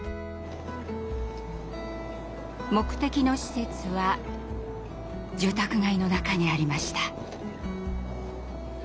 目的の施設は住宅街の中にありました。